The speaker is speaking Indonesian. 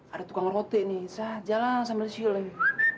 ada tukang roti nih saja lah sambil siul ya